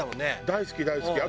大好き大好き。